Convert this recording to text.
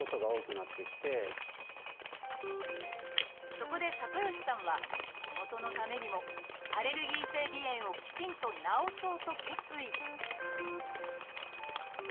そこで里吉さんは仕事のためにもアレルギー性鼻炎をきちんと治そうと決意。